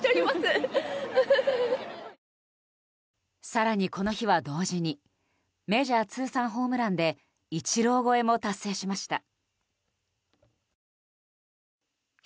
更にこの日は同時にメジャー通算ホームランでイチロー超えも達成しました。